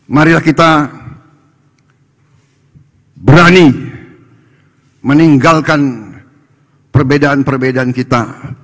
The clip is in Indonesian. marilah kita berani meninggalkan perbedaan perbedaan kita